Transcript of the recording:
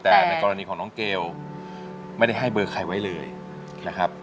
แต่ในกรณีของน้องเกลไม่ได้ให้เบอร์ใครไว้เลยนะครับ